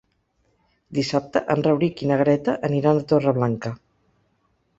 Dissabte en Rauric i na Greta aniran a Torreblanca.